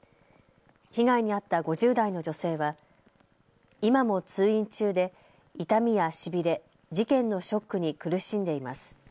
被害に遭った５０代の女性は今も通院中で痛みやしびれ、事件のショックに苦しんでいます。